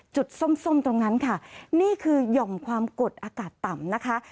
ส้มตรงนั้นค่ะนี่คือหย่อมความกดอากาศต่ำนะคะ